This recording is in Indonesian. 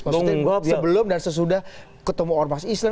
maksudnya sebelum dan sesudah ketemu ormas islam